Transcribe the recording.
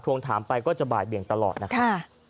วงถามไปก็จะบ่ายเบี่ยงตลอดนะครับ